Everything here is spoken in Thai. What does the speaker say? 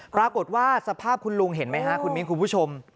ปรากฏว่าสภาพคุณลุงเห็นไหมฮะคุณมิ้นคุณผู้ชม